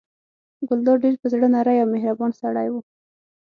ګلداد ډېر په زړه نری او مهربان سړی و.